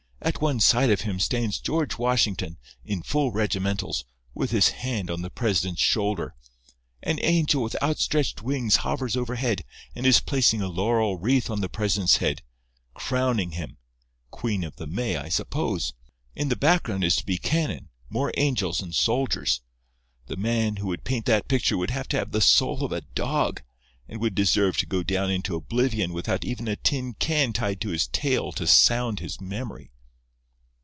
At one side of him stands George Washington, in full regimentals, with his hand on the president's shoulder. An angel with outstretched wings hovers overhead, and is placing a laurel wreath on the president's head, crowning him—Queen of the May, I suppose. In the background is to be cannon, more angels and soldiers. The man who would paint that picture would have to have the soul of a dog, and would deserve to go down into oblivion without even a tin can tied to his tail to sound his memory."